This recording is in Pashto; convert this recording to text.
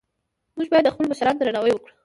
موږ باید د خپلو مشرانو درناوی وکړو